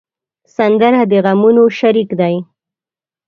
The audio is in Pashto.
سندره د غمونو شریک دی